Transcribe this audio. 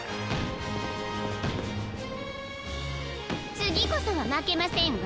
つぎこそはまけませんわ。